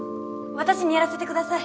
私にやらせてください！